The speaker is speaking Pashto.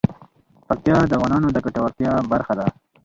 پکتیا د افغانانو د ګټورتیا برخه ده.